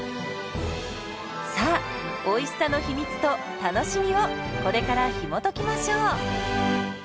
さあおいしさの秘密と楽しみをこれからひもときましょう。